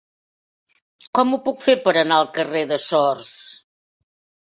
Com ho puc fer per anar al carrer de Sors?